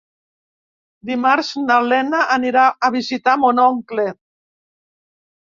Dimarts na Lena anirà a visitar mon oncle.